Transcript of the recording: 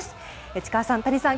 内川さん、谷さん